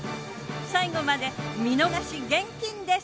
最後まで見逃し厳禁です！